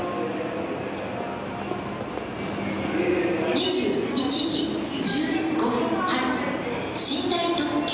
「２１時１５分発寝台特急